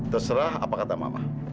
terserah apa kata mama